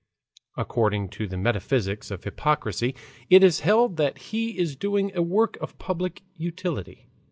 According to the metaphysics of hypocrisy it is held that he is doing a work of public utility.